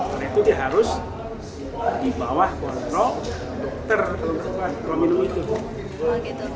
karena itu dia harus di bawah kontrol dokter kalau menunggu itu